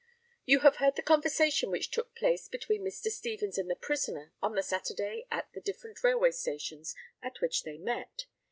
You have heard the conversation which took place between Mr. Stevens and the prisoner on the Saturday at the different railway stations at which they met.